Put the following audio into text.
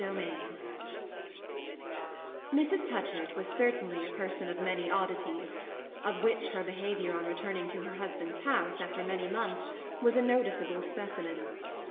CHAPTER III Mrs. Touchett was certainly a person of many oddities, of which her behaviour on returning to her husband's house after many months was a noticeable specimen.